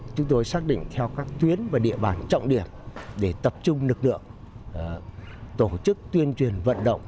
chúng tôi xác định theo các tuyến và địa bàn trọng điểm để tập trung lực lượng tổ chức tuyên truyền vận động